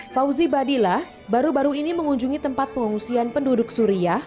fauzi badillah baru baru ini mengunjungi tempat pengungsian penduduk suriah